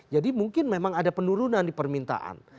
jadi mungkin memang ada penurunan di permintaan